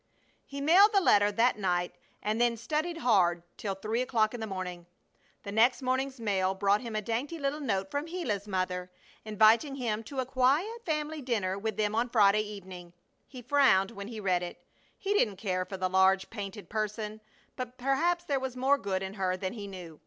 He mailed the letter that night and then studied hard till three o'clock in the morning. The next morning's mail brought him a dainty little note from Gila's mother, inviting him to a quiet family dinner with them on Friday evening. He frowned when he read it. He didn't care for the large, painted person, but perhaps there was more good in her than he knew.